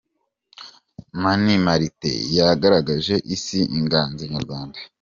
Mani Marite yagaragarije isi inganzo nyarwanda